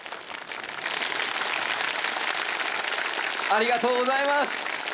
ありがとうございます。